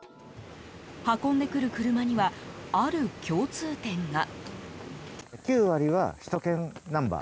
運んでくる車にはある共通点が。